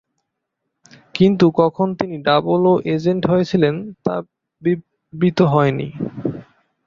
কিন্তু কখন তিনি "ডাবল ও-এজেন্ট" হয়েছিলেন, তা বিবৃত হয়নি।